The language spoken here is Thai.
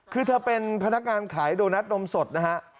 คือเธอเป็นพนักงานขายโดนัทนมสดนะฮะ